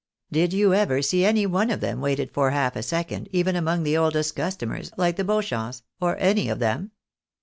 Did you ever see any one of them waited for half a second, even among the oldest customers, like the Beauchamps, or any of them